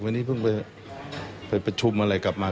วันนี้ผิดประชุมอะไรกลับมา